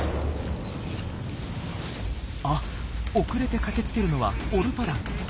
あっ遅れて駆けつけるのはオルパダン。